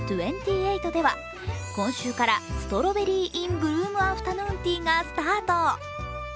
エイトでは今週から、ストロベリー・イン・ブルームアフタヌーンティーがスタート。